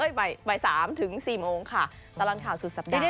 ใช่ค่ะอีกบาย๓๔โมงค่ะตลอดข่าวสุดสัปดาห์